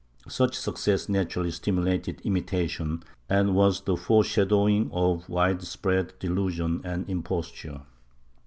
^ Such success naturally stimulated imitation and was the foreshadowing of wide spread delusion and imposture.